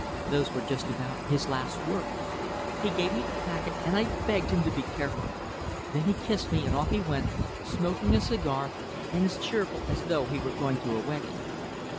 Those were just about his last words. He gave me the packet and I begged him to be careful. Then he kissed me and off he went, smoking a cigar, and as cheerful as though he were going to a wedding."